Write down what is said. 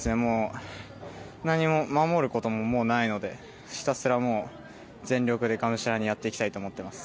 何も守ることももうないので、ひたすら全力でがむしゃらにやっていきたいと思います。